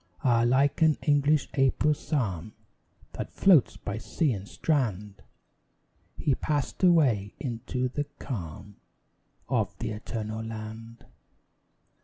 Ah! like an English April psalm, That floats by sea and strand, He passed away into the calm Of the Eternal Land.